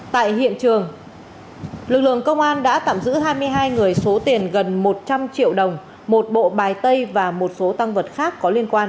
tại hiện trường lực lượng công an đã tạm giữ hai mươi hai người số tiền gần một trăm linh triệu đồng một bộ bài tay và một số tăng vật khác có liên quan